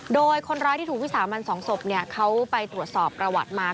โดยคนร้ายที่ถูกวิสามัน๒ศพเขาไปตรวจสอบประวัติมา